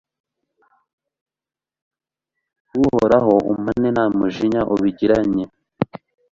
uhoraho, umpane nta mujinya ubigiranye